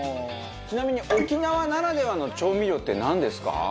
ちなみに、沖縄ならではの調味料ってなんですか？